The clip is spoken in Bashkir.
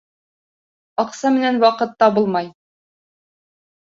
Аҡса менән ваҡыт табылмай.